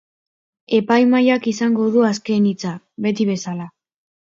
Epaimahaiak izango du azken hitza, beti bezala.